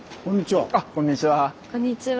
こんにちは。